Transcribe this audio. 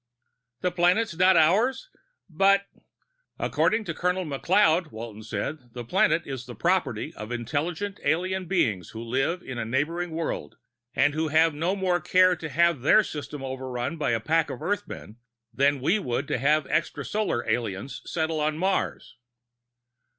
"The planet's not ours? But ?" "According to Colonel McLeod," Walton said, "the planet is the property of intelligent alien beings who live on a neighboring world, and who no more care to have their system overrun by a pack of Earthmen than we would to have extrasolar aliens settle on Mars."